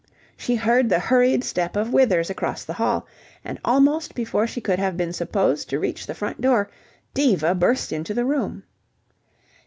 She heard the hurried step of Withers across the hall, and almost before she could have been supposed to reach the front door, Diva burst into the room.